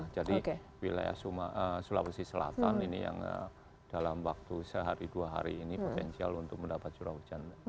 jadi wilayah sulawesi selatan ini yang dalam waktu sehari dua hari ini potensial untuk mendapat curah hujan